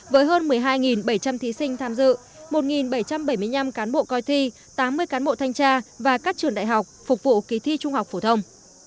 với hơn một mươi hai bảy trăm linh thí sinh tham dự một bảy trăm bảy mươi năm cán bộ coi thi tám mươi cán bộ thanh tra và các trường đại học phục vụ kỳ thi trung học phổ thông